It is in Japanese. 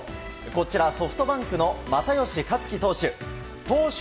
こちら、ソフトバンクの又吉克樹投手。